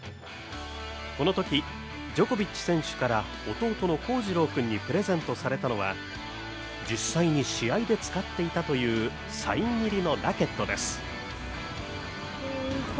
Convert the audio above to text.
このときジョコビッチ選手から弟の康次郎君にプレゼントされたのは実際に試合で使っていたというサイン入りのラケットです。